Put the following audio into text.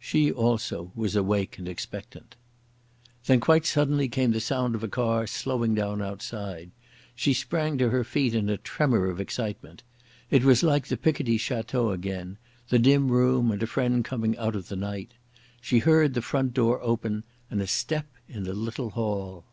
She also was awake and expectant. Then quite suddenly came the sound of a car slowing down outside. She sprang to her feet in a tremor of excitement. It was like the Picardy château again—the dim room and a friend coming out of the night. She heard the front door open and a step in the little hall....